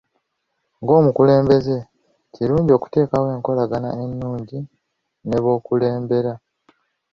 Nga omukulembeze, kirungi okuteekawo enkolagana ennungi ne b'okulembera.